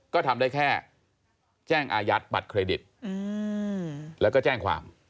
ก็ทำได้แค่แจ้งอายัดบัตรเครดิตแล้วก็แจ้งความ